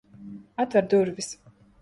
Atver durvis!